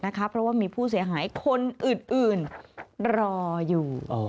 เพราะว่ามีผู้เสียหายคนอื่นรออยู่